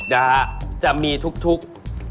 นะฮะจะมีทุก